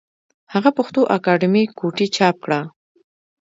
هغه پښتو اکادمي کوټې چاپ کړه